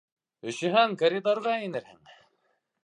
Өшөһәң, коридорға инерһең.